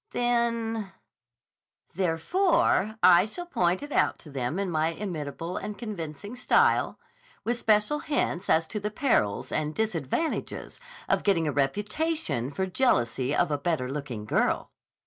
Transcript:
"Then—" "Therefore I shall point it out to them in my inimitable and convincing style, with special hints as to the perils and disadvantages of getting a reputation for jealousy of a better looking girl!"